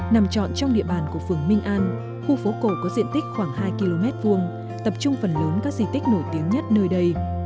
nằm trọn trong địa bàn của phường minh an khu phố cổ có diện tích khoảng hai km hai tập trung phần lớn các di tích nổi tiếng nhất nơi đây